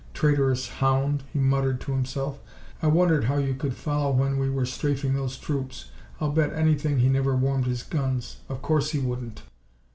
"Traitorous hound!" he muttered to himself. "I wondered how you could follow when we were strafing those troops. I'll bet anything he never warmed his guns. Of course he wouldn't!"